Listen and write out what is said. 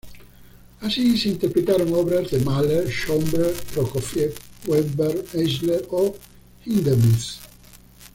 Así se interpretaron obras de Mahler, Schönberg, Prokofiev, Webern, Eisler o Hindemith.